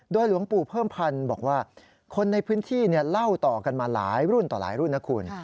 หลวงปู่เพิ่มพันธุ์บอกว่าคนในพื้นที่เล่าต่อกันมาหลายรุ่นต่อหลายรุ่นนะคุณ